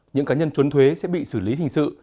những cá nhân trốn thuế sẽ bị xử lý hình sự